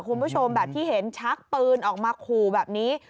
คุณผู้ชมแบบที่เห็นชักปืนออกมาขู่แบบนี้